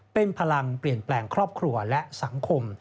เป็นพลังเปลี่ยนแปลงครอบครัวและสังคม